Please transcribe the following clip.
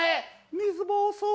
水ぼうそう！